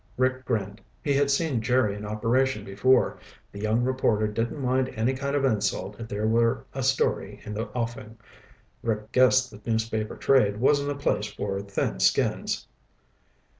Rick grinned. He had seen Jerry in operation before. The young reporter didn't mind any kind of insult if there were a story in the offing. Rick guessed the newspaper trade wasn't a place for thin skins.